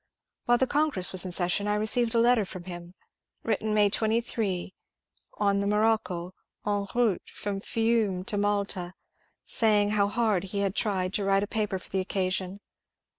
While the congress was in session I received a letter from him, written May 23 on the Morocco, en route from Fiume to Malta, saying how hard he had tried to write a paper for the occasion.